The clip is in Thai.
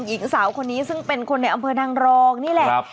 หญิงสาวคนนี้ซึ่งเป็นคนในอำเภอนางรองนี่แหละ